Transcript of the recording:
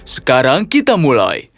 sekarang kita mulai